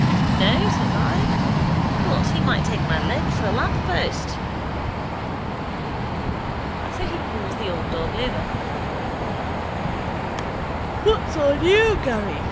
—No, says I. But he might take my leg for a lamppost. So he calls the old dog over. —What's on you, Garry?